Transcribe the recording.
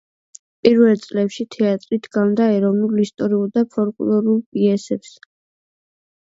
პირველ წლებში თეატრი დგამდა ეროვნულ, ისტორიულ და ფოლკლორულ პიესებს.